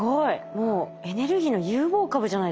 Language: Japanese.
もうエネルギーの有望株じゃないですか。